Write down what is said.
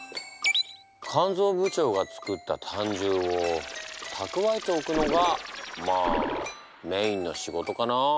肝ぞう部長がつくった胆汁をたくわえておくのがまあメインの仕事かな。